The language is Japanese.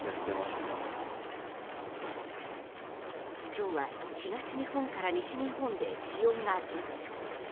今日は東日本から西日本で気温が上昇。